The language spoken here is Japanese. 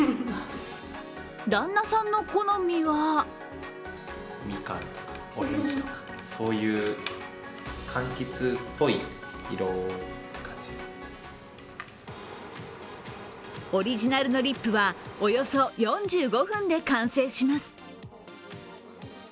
旦那さんの好みはオリジナルのリップはおよそ４５分で完成します。